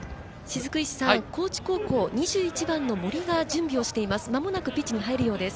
高知高校、２１番の森が準備をしています。